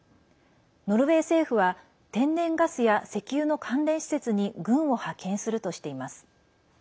ノルウェー政府は天然ガスや石油の関連施設に軍を派遣するとしています。